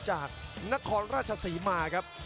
จากนครราชศรีมาครับ